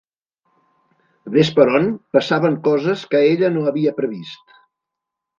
Ves per on, passaven coses que ella no havia previst.